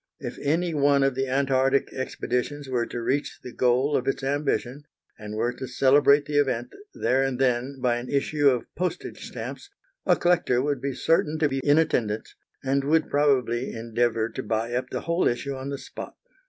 If any one of the Antarctic expeditions were to reach the goal of its ambition, and were to celebrate the event there and then by an issue of postage stamps, a collector would be certain to be in attendance, and would probably endeavour to buy up the whole issue on the spot.